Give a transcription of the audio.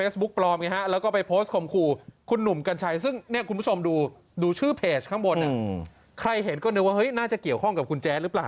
ซึ่งคุณผู้ชมดูดูชื่อเพจข้างบน